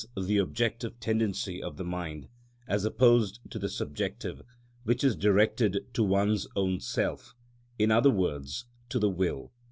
_, the objective tendency of the mind, as opposed to the subjective, which is directed to one's own self—in other words, to the will.